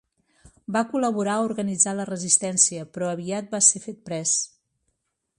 Va col·laborar a organitzar la resistència però aviat va ser fet pres.